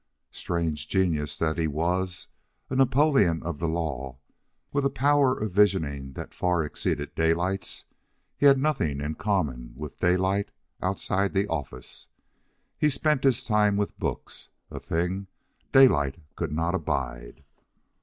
Strange genius that he was, a Napoleon of the law, with a power of visioning that far exceeded Daylight's, he had nothing in common with Daylight outside the office. He spent his time with books, a thing Daylight could not abide.